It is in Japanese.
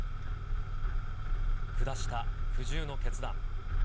下した苦渋の決断。